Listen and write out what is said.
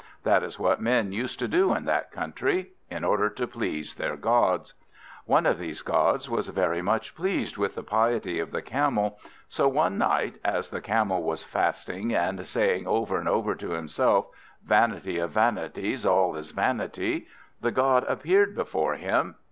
That is what men used to do in that country, in order to please their gods. One of these gods was very much pleased with the piety of the Camel; so one night, as the Camel was fasting, and saying over and over to himself, "Vanity of vanities, all is vanity," the god appeared before him.